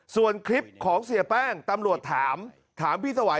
ส่วนคลิปของเสียแป้งตำรวจถามถามพี่สวัย